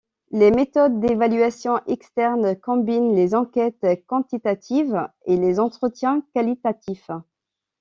Les méthodes d’évaluation externe combinent les enquêtes quantitatives et les entretiens qualitatifs.